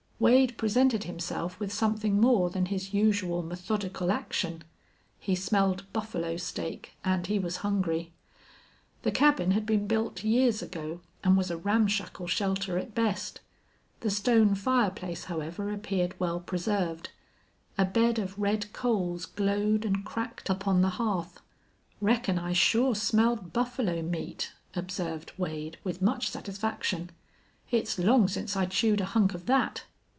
Wade presented himself with something more than his usual methodical action. He smelled buffalo steak, and he was hungry. The cabin had been built years ago, and was a ramshackle shelter at best. The stone fireplace, however, appeared well preserved. A bed of red coals glowed and cracked upon the hearth. "Reckon I sure smelled buffalo meat," observed Wade, with much satisfaction. "It's long since I chewed a hunk of that."